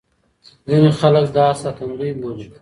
ځينې خلک دا ساتندوی بولي.